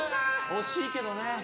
惜しいけどね